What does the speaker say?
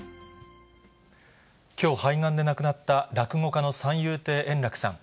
きょう、肺がんで亡くなった落語家の三遊亭円楽さん。